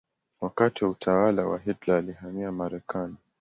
Wakati wa utawala wa Hitler alihamia Marekani.